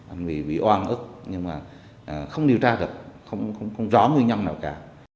anh bị oan ức nhưng mà không điều tra được không rõ nguyên nhân nào cả